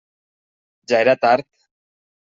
Ja era tard.